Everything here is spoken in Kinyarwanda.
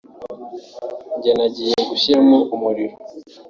njye nagiye gushyiramo umuriro